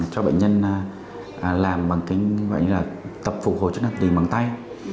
cho bệnh nhân làm bằng cái gọi như là tập phục hồi chức năng tiền đình bằng tay